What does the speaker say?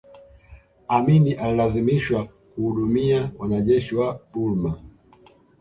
amin alilazimishwa kuhudumia wanajeshi wa burma